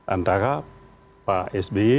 antara pak sby dengan ibu megawati